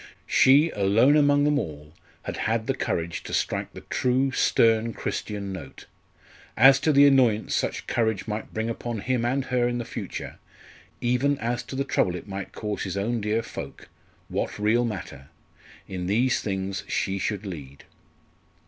She alone among them all had had the courage to strike the true stern Christian note. As to the annoyance such courage might bring upon him and her in the future even as to the trouble it might cause his own dear folk what real matter? In these things she should lead.